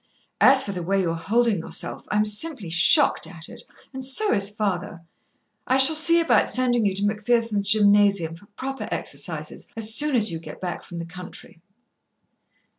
As for the way you're holdin' yourself, I'm simply shocked at it, and so is your father; I shall see about sendin' you to MacPherson's gymnasium for proper exercises as soon as you get back from the country."